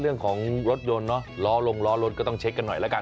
เรื่องของรถยนต์ร้านล้อลงรถอยู่ดูก็ต้องเช็คกันหน่อยนะ